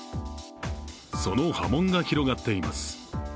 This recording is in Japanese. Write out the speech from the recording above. その波紋が広がっています。